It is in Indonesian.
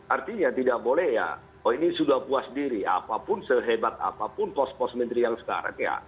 artinya tidak boleh ya oh ini sudah puas diri apapun sehebat apapun pos pos menteri yang sekarang ya